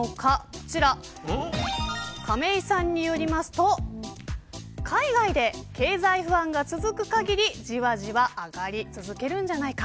こちら亀井さんによりますと海外で経済不安が続くかぎりじわじわ上がり続けるんじゃないか。